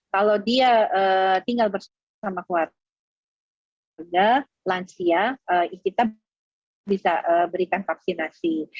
kalau dia tinggal bersama keluarga lansia kita bisa berikan vaksinasi